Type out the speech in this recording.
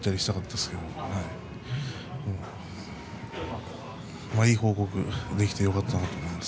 まあ、いい報告ができてよかったと思っています。